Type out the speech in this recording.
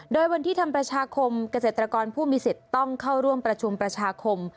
โดยวันที่ทำประชาคมเกษตรกรผู้มีสิทธิ์ต้องเข้าร่วมประชุมประชาคม